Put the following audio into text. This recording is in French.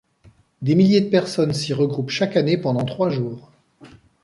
Des milliers de personnes s'y regroupent chaque année pendant trois jours.